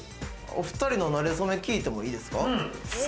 お２人の馴れ初め聞いてもいいですか？